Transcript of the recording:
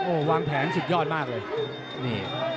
โอ้โหวางแผนสุดยอดมากเลยนี่